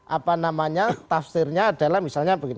apa namanya tafsirnya adalah misalnya begini